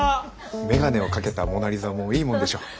眼鏡をかけたモナ・リザもいいもんでしょ珍しくて。